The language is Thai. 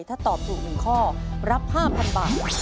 ถ้าตอบถูก๑ข้อรับ๕๐๐๐บาท